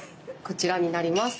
こちらになります。